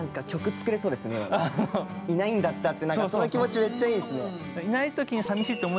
「いないんだった」ってその気持ちめっちゃいいですね。